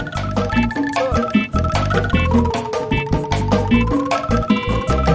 per pergi per